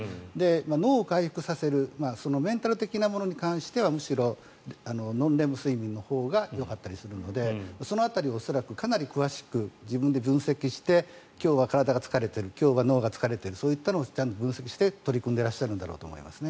脳を回復させるメンタル的なものに関してはむしろノンレム睡眠のほうがよかったりするのでその辺りを恐らくかなり詳しく自分で分析して今日は体が疲れている今日は脳が疲れているそういうのを分析して取り組んでらっしゃるんだろうと思いますね。